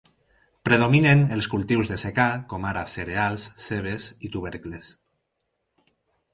Predominen els cultius de secà com ara cereals, cebes i tubercles.